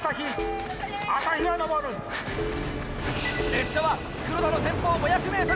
列車は黒田の先方５００ｍ。